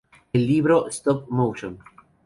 El libro "Stop-motion.